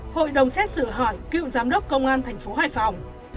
hội đồng xét xử hỏi cựu giám đốc công an thành phố hải phòng